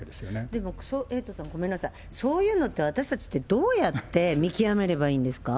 でもエイトさん、ごめんなさい、そういうのって、私たちってどうやって見極めればいいんですか？